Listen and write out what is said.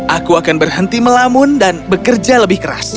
aku akan berhenti melamun dan bekerja lebih keras